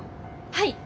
はい。